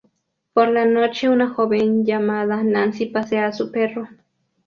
Por la noche, una joven llamada Nancy pasea a su perro.